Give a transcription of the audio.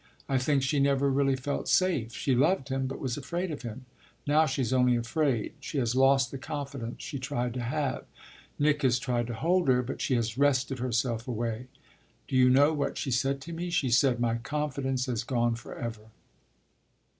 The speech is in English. I think she never really felt safe she loved him, but was afraid of him. Now she's only afraid she has lost the confidence she tried to have. Nick has tried to hold her, but she has wrested herself away. Do you know what she said to me? She said, 'My confidence has gone for ever.'"